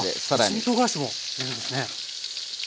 一味とうがらしも入れるんですね。